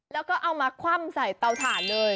แล้วก็เอามาคว่ำใส่เตาถ่านเลย